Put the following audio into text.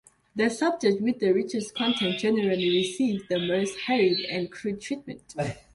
The subjects with the richest content, generally received the most hurried and crude treatment.